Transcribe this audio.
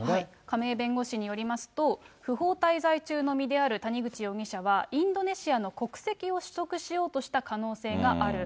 亀井弁護士によりますと、不法滞在中の身である谷口容疑者は、インドネシアの国籍を取得しようとした可能性がある。